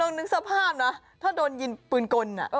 นึกสภาพนะถ้าโดนยิงปืนกล